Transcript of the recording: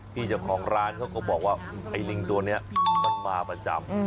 พี่เจ้าของร้านเขาก็บอกว่าไอ้ลิงตัวนี้มันมาประจำ